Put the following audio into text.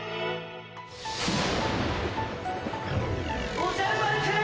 おじゃる丸くん！